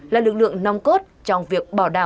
là lực lượng nông cốt trong việc phát triển kinh tế xã hội